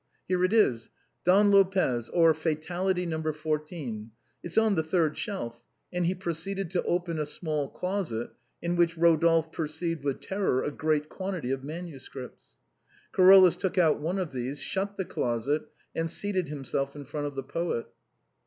Here it is :' Don Lopez ; or, Fatality. No. 14.' It's on the third shelf ;" and he proceeded to open a small closet in which Eodolphe perceived, with terror, a great quantity of manuscripts. Carolus took out one of these, shut the closet, and seated himself in front of the poet.